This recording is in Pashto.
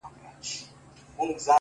راته را يې کړې په لپو کي سندرې!!